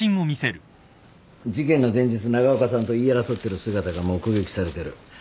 事件の前日長岡さんと言い争ってる姿が目撃されてる。